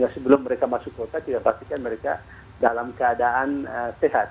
sebelum mereka masuk kota kita pastikan mereka dalam keadaan sehat